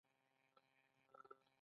بل دا چې ځمکه د ځمکوالو شخصي ملکیت دی